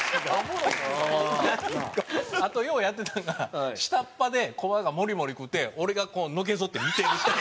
あとようやってたんが下っ端でコバがもりもり食うて俺がのけ反って見てるっていう。